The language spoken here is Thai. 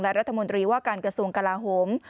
และรัฐมนตรีว่าการกระทรวงกลาโหม